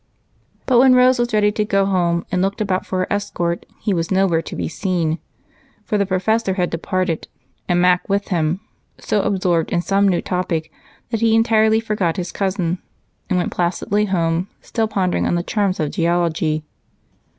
But when Rose was ready to go home and looked about for her escort, he was nowhere to be seen, for the professor had departed, and Mac with him, so absorbed in some new topic that he entirely forgot his cousin and went placidly home, still pondering on the charms of geology.